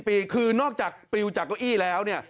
๒๐ปีคือนอกจากปริวจากอี้แล้วเนีย